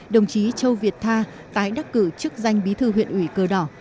đồng chí châu việt tha tái đắc cử chức danh bí thư huyện ủy cờ đỏ